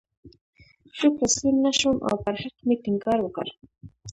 زه تسلیم نه شوم او پر حق مې ټینګار وکړ.